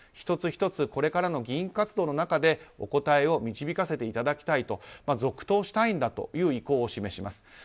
１つ１つ、これからの議員活動の中でお答えを導かせていただきたいと続投したいという意向を示します。